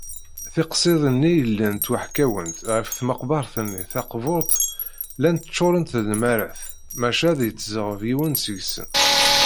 Tiqsiḍin-nni yellan ttwaḥkawent ɣef tmeqbert-nni taqburt llant ččurent d nnmarat, maca ad yetzeɣɣeb yiwen seg-sent.